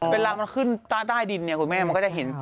เวลามันขึ้นใต้ดินมันก็จะเห็น